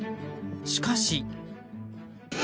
しかし。